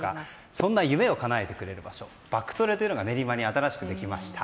そんな夢をかなえてくれる場所バクトレというのが練馬に新しくできました。